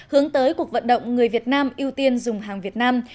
hướng tới cuộc vận động người việt nam ưu tiên dùng hàng việt nam